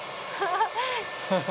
ハハハッ。